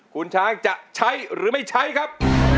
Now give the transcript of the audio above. คุณช้างจะใช้หรือไม่ใช้ครับ